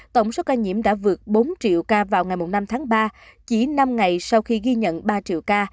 tổng số ca nhiễm đã vượt bốn triệu ca vào ngày năm tháng ba chỉ năm ngày sau khi ghi nhận ba triệu ca